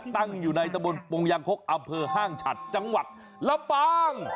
ตั้งอยู่ในตะบนปงยางคกอำเภอห้างฉัดจังหวัดลำปาง